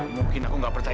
mungkin aku nggak percaya